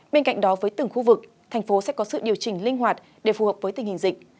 bên cạnh đó với từng khu vực thành phố sẽ có sự điều chỉnh linh hoạt để phù hợp với tình hình dịch